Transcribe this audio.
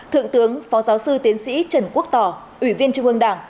thượng tướng phó giáo sư tiến sĩ trần quốc tỏ ủy viên trung ương đảng